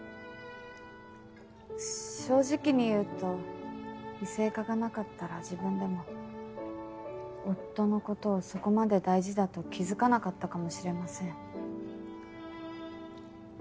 正直に言うと異性化がなかったら自分でも夫のことをそこまで大事だと気付かなかったかもしれません。